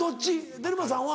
テルマさんは。